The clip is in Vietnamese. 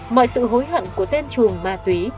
mọi sự hối hận của người ta sẽ không được tìm ra